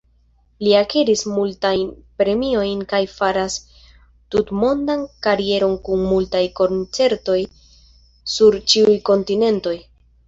Li akiris multajn premiojn kaj faras tutmondan karieron kun multaj koncertoj sur ĉiuj kontinentoj.